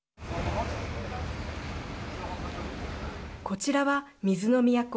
こちらは水の都